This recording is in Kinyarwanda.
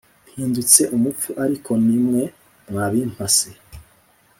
Mpindutse umupfu ariko ni mwe mwabimpase